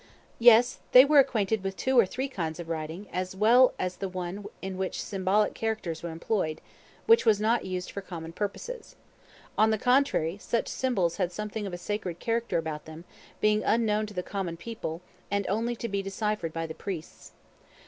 Yes, they were acquainted with two or three kinds of writing, as well as the one in which symbolical characters were employed, which was not used for common purposes. On the contrary, such symbols had something of a sacred character about them, being unknown to the common people, and only to be deciphered by the priests.